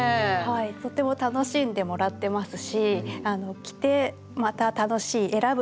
とても楽しんでもらってますし着てまた楽しい選ぶのも楽しい。